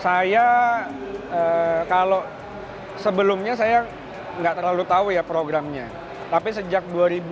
saya kalau sebelumnya saya nggak terlalu tahu ya programnya tapi sejak dua ribu dua